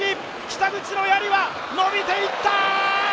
北口のやりはのびていった！